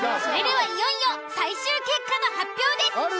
それではいよいよ最終結果の発表です。